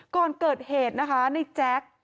ก่อนเกิดเหตุนะคะในแจ๊ค